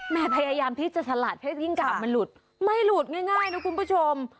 พยายามที่จะสลัดให้ยิ่งกาบมันหลุดไม่หลุดง่ายนะคุณผู้ชม